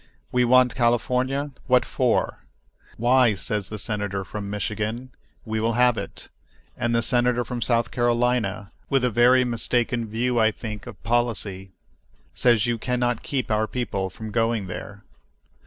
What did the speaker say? We want California. What for? Why, says the senator from Michigan, we will have it; and the senator from South Carolina, with a very mistaken view, I think, of policy, says you can not keep our people from going there.